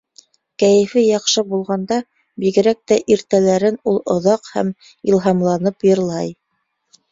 Кәйефе яҡшы булғанда, бигерәк тә иртәләрен, ул оҙаҡ һәм илһамланып «йырлай».